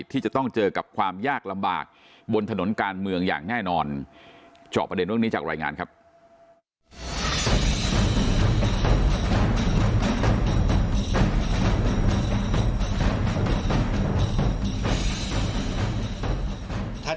ที่จะต้องเจอกับความยากลำบากบนถนนการเมืองอย่างง่ายนอน